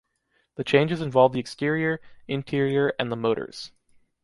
The changes involve the exterior, interior and the motors.